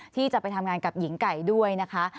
ที่จะไปทำงานกับหญิงไก่ด้วยนะคะ